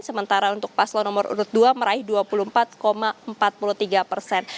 sementara untuk paslon nomor urut dua meraih dua puluh empat empat puluh tiga persen